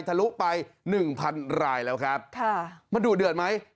อันตรายไทยทะลุไป๑๐๐๐ลายแล้วครับมันดูเดือดไหม